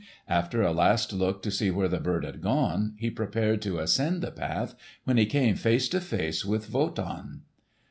After a last look to see where the bird had gone, he prepared to ascend the path, when he came face to face with Wotan.